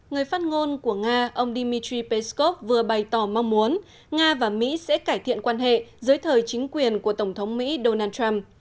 người phát ngôn của nga ông dmitry peskov vừa bày tỏ mong muốn nga và mỹ sẽ cải thiện quan hệ dưới thời chính quyền của tổng thống mỹ donald trump